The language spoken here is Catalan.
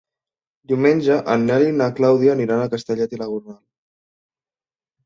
Diumenge en Nel i na Clàudia aniran a Castellet i la Gornal.